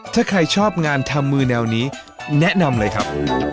ถ้าใครชอบงานทำมือแนวนี้แนะนำเลยครับ